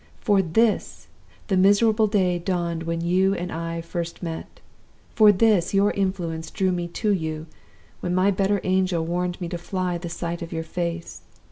For this, the miserable day dawned when you and I first met. For this, your influence drew me to you, when my better angel warned me to fly the sight of your face.